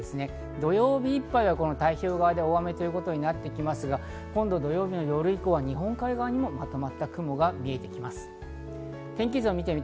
土曜日いっぱいは太平洋側で大雨となっていきますが、土曜日の夜以降は日本海側にもまとまった雲が見えています。